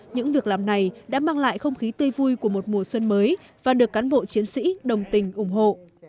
những việc làm này đã mang lại không khí tươi vui của một mùa xuân mới và được cán bộ chiến sĩ đồng tình ủng hộ